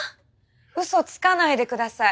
ウソつかないでください。